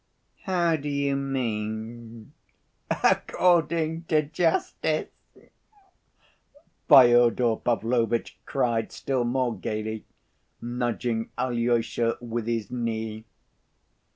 "How do you mean 'according to justice'?" Fyodor Pavlovitch cried still more gayly, nudging Alyosha with his knee.